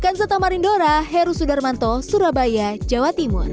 kansata marindora heru sudarmanto surabaya jawa timur